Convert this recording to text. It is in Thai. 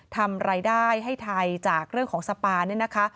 ทำรายได้ให้ไทยจากเรื่องของสปานี่นะคะ